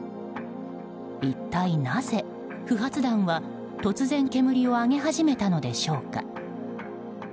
一体なぜ不発弾は突然煙を上げ始めたのでしょうか。